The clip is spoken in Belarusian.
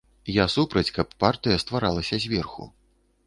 Я супраць, каб партыя стваралася зверху.